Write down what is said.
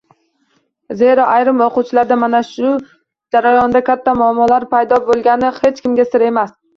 Zero, ayrim oʻqituvchilarda ham bu jarayonda katta muammolar paydo boʻlgani hech kimga sir emas.